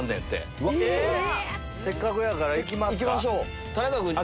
せっかくやからいきますか。